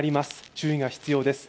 注意が必要です。